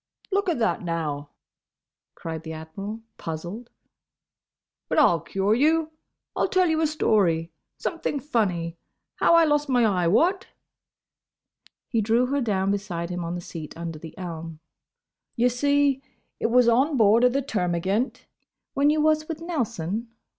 "Look a that, now!" cried the Admiral, puzzled. "But I'll cure you! I'll tell you a story. Something funny. How I lost my eye—what?" He drew her down beside him on the seat under the elm. "Ye see, it was on board o' the Termagant—" "When you was with Nelson?"